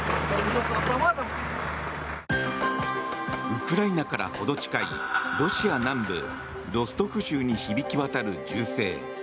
ウクライナから程近いロシア南部ロストフ州に響き渡る銃声。